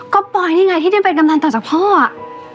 ก็ปอยนี่ไงที่ได้เป็นกำนันต่อจากพ่ออ่ะ